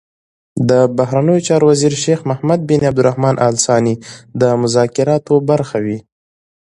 د بهرنیو چارو وزیر شیخ محمد بن عبدالرحمان ال ثاني د مذاکراتو برخه وي.